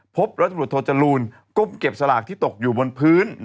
พบรัฐบรุรตโทษรูนโก้มเก็บสลากที่ตกอยู่บนพื้น